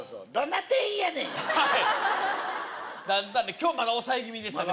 今日まだ抑え気味でしたね